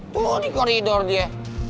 tuh di koridor dia